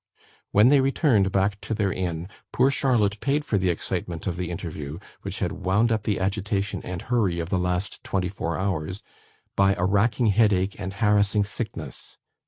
When they returned back to their inn, poor Charlotte paid for the excitement of the interview, which had wound up the agitation and hurry of the last twenty four hours, by a racking headache and harassing sickness.